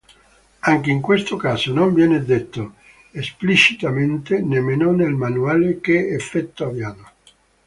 Anche in questo caso non viene detto esplicitamente, nemmeno nel manuale, che effetto abbiano.